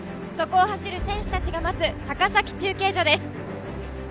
そこを走る選手たちが待つ高崎中継所です。